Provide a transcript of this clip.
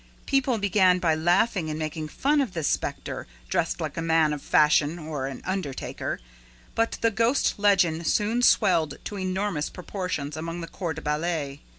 People began by laughing and making fun of this specter dressed like a man of fashion or an undertaker; but the ghost legend soon swelled to enormous proportions among the corps de ballet.